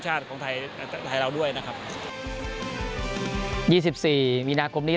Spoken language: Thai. ของไทยไทยเราด้วยนะครับยี่สิบสี่มีนาคมนี้